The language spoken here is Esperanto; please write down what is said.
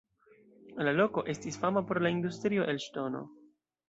La loko estis fama pro la industrio el ŝtono.